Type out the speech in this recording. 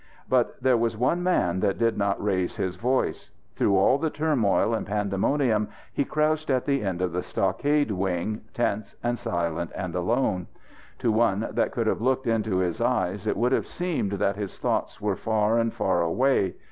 But there was one man that did not raise his voice. Through all the turmoil and pandemonium he crouched at the end of the stockade wing, tense, and silent and alone. To one that could have looked into his eyes, it would have seemed that his thoughts were far and far away.